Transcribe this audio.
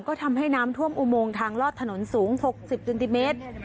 ก็ทำให้น้ำท่วมอุโมงทางลอดถนนสูง๖๐เซนติเมตร